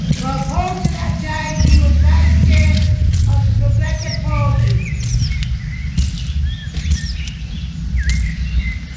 For part of that time he was vice-chair of the Progressive Party.